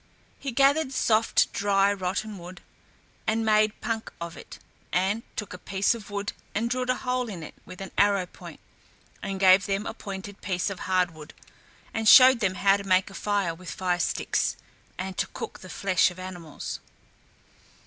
He gathered soft, dry rotten wood and made punk of it, and took a piece of wood and drilled a hole in it with an arrow point, and gave them a pointed piece of hard wood, and showed them how to make a fire with fire sticks, and to cook the flesh of animals.